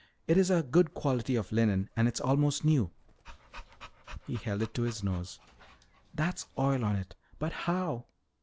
"It's a good quality of linen and it's almost new." He held it to his nose. "That's oil on it. But how